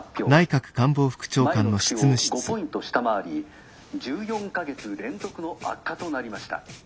前の月を５ポイント下回り１４か月連続の悪化となりました。